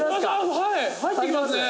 「はい、入ってきますね。